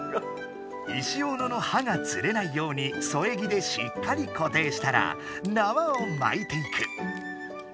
石オノの刃がずれないようにそえ木でしっかりこていしたらなわをまいていく。